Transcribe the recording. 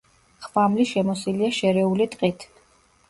ხვამლი შემოსილია შერეული ტყით.